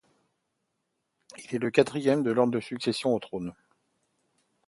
Il est quatrième dans l'ordre de succession au trône.